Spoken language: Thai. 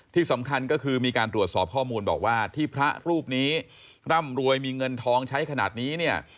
ที่สำคัญก็คือมีการตรวจสอบข้อมูลบอกว่าที่พระรูปนี้ร่ำรวยมีเงินทองใช้ขนาดนี้เนี่ย